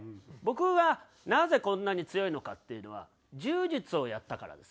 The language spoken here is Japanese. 僕はなぜこんなに強いのかっていうのは柔術をやったからですね。